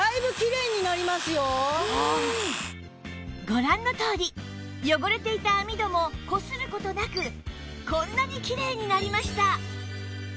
ご覧のとおり汚れていた網戸もこする事なくこんなにきれいになりました！